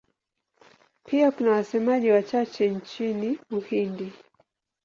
Pia kuna wasemaji wachache nchini Uhindi.